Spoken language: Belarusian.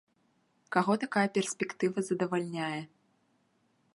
Каго такая перспектыва задавальняе?